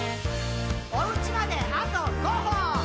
「おうちまであと５歩！」